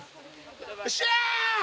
よっしゃー！